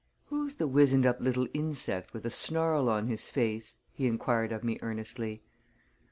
"Who's the wizened up little insect, with a snarl on his face?" he inquired of me earnestly.